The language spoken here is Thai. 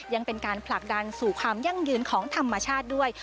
ยังเป็นการผลักดันสู่ความยั่งยืนของธรรมชาติด้วย